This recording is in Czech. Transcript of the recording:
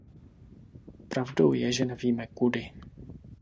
Pravdou je, že nevíme kudy.